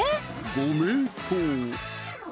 ご名答！